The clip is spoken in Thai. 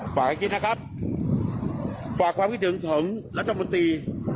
ฝากให้กินนะครับฝากความคิดถึงของรัฐบาลมนตรี